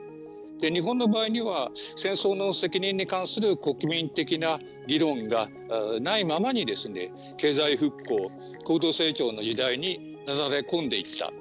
日本の場合には戦争の責任に関する国民的な議論がないままにですね経済復興高度成長の時代になだれ込んでいった。